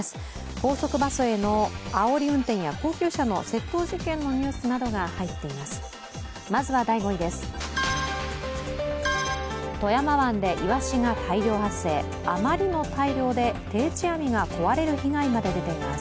高速バスへのあおり運転や高級車の窃盗事件のニュースなどが入っています。